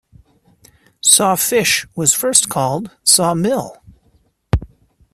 Sawfish was first called Sawmill.